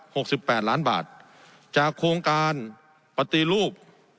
สิบแปดล้านบาทจากโครงการปฏิรูป